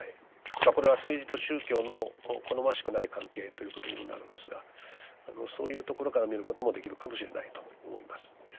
これは政治と宗教の好ましくない関係ということにもなるんですがそういうところから見ることもできるかもしれないと思います。